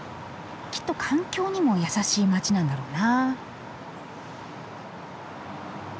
きっと環境にも優しい街なんだろうな。